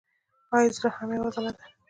ایا زړه هم یوه عضله ده